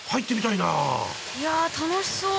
いや楽しそう。